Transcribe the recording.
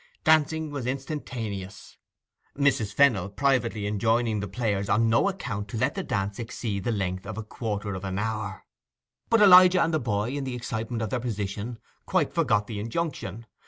Dancing was instantaneous, Mrs. Fennel privately enjoining the players on no account to let the dance exceed the length of a quarter of an hour. But Elijah and the boy, in the excitement of their position, quite forgot the injunction.